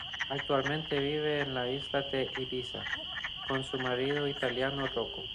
Actualmente vive en la isla de Ibiza con su marido italiano Rocco.